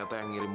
aku mau berhenti